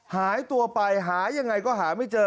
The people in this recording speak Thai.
หายตัวไปหายอย่างไรก็หายไม่เจอ